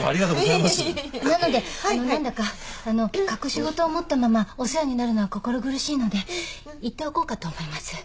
なのであのう何だか隠し事を持ったままお世話になるのは心苦しいので言っておこうかと思います。